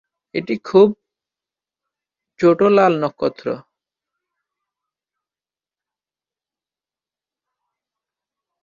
এটি খুব ছোটো লাল নক্ষত্র।